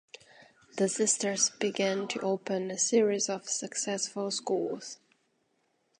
The Sisters began to open a series of successful schools.